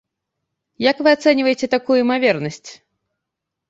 Як вы ацэньваеце такую імавернасць?